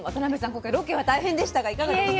今回ロケは大変でしたがいかがでした？